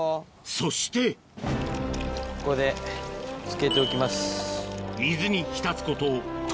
そしてここでつけておきます。